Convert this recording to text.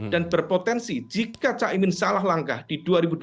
dan berpotensi jika caimin salah langkah di dua ribu dua puluh empat